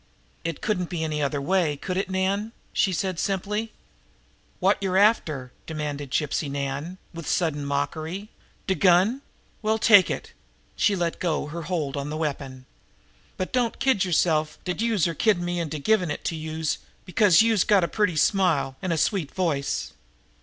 "It couldn't be any other way, could it, Nan?" she said simply. "Wot yer after?" demanded Gypsy Nan, with sudden mockery. "De gun? Well, take it!" She let go her hold of the weapon. "But don't kid yerself dat youse're kiddin' me into givin' it to youse because youse have got a pretty smile an' a sweet voice!